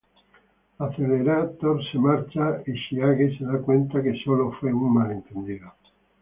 Accelerator se marcha y Shiage se da cuenta que solo fue un malentendido.